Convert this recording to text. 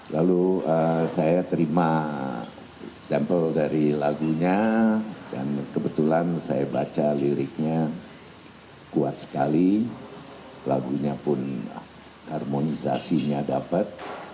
lalu saya terima sampel dari lagunya dan kebetulan saya baca liriknya kuat sekali lagunya pun harmonisasinya dapat